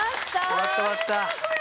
終わった終わった。